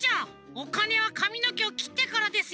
おかねはかみのけをきってからですよ。